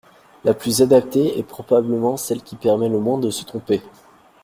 La plus adaptée est probablement celle qui permet le moins de se tromper.